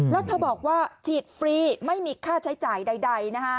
แล้วเธอบอกว่าฉีดฟรีไม่มีค่าใช้จ่ายใดนะฮะ